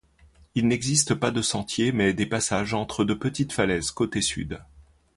Il n'existe pas de sentier mais des passages entre de petites falaises côté sud.